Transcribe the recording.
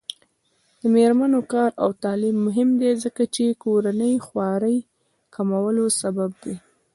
د میرمنو کار او تعلیم مهم دی ځکه چې کورنۍ خوارۍ کمولو سبب دی.